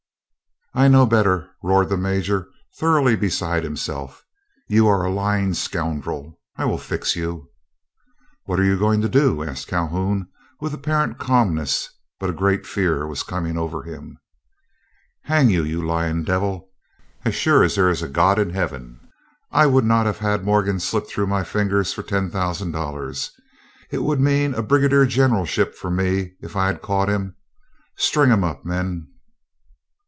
"I know better," roared the Major, thoroughly beside himself; "you are a lying scoundrel; I will fix you." "What are you going to do?" asked Calhoun, with apparent calmness, but a great fear coming over him. "Hang you, you lying devil, as sure as there is a God in heaven! I would not have had Morgan slip through my fingers for ten thousand dollars. It would mean a brigadier generalship for me if I had caught him. String him up, men."